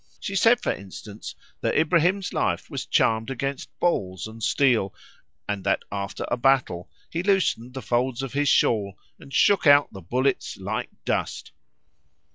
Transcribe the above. She said, for instance, that Ibrahim's life was charmed against balls and steel, and that after a battle he loosened the folds of his shawl and shook out the bullets like dust.